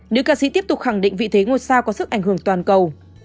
nữ ca sĩ tiếp tục khẳng định vị thế ngôi sao có sức ảnh hưởng toàn cầu